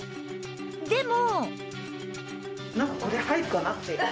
でも